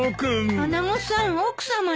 穴子さん奥さまよ。